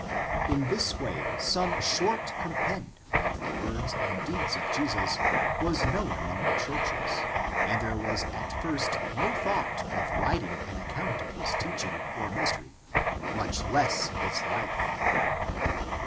In this way some short compend of the words and deeds of Jesus was known among the churches, and there was at first no thought of writing an account of his teaching or ministry, much less his life.